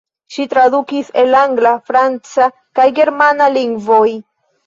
Ŝi tradukis el angla, franca kaj germana lingvoj.